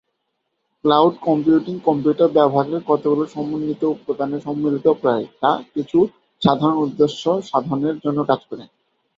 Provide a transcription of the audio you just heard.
Cloud computing computer ব্যবহারের কতগুলো সমন্বিত উপাদানের সম্মিলিত প্রয়াস যা কিছু সাধারণ উদ্দেশ্য সাধনের জন্য কাজ করে।